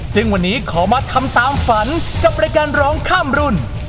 ซึ่งวันนี้ขอมาทำตามฝันกับรายการร้องข้ามรุ่น